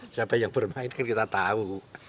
siapa yang bermain kan kita tahu